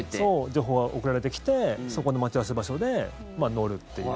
情報が送られてきて待ち合わせ場所で乗るっていう。